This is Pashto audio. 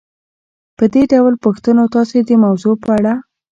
په دې ډول پوښتنو تاسې د موضوع په اړه